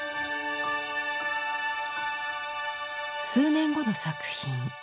数年後の作品。